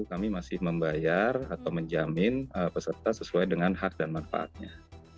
kami masih membayar atau menjamin peserta sesuai dengan hak dan manfaatnya